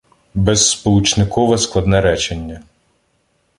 Безсполучникове складне речення